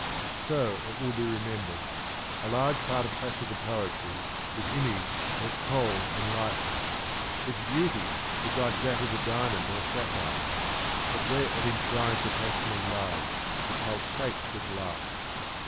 So, it will be remembered, a large part of classical poetry is imaged as cold and lifeless ; its beauty is like that of the diamond or sapphire ; but where it enshrines the passion of love it pulsates with life.